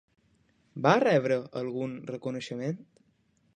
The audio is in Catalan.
Va rebre algun reconeixement?